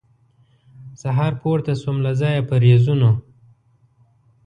سهار پورته سوم له ځایه په رېزونو